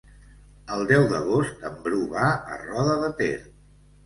El deu d'agost en Bru va a Roda de Ter.